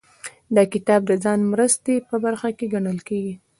دا کتاب د ځان مرستې په برخه کې ګڼل کیږي.